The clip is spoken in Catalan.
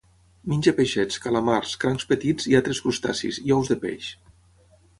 Menja peixets, calamars, crancs petits i altres crustacis, i ous de peix.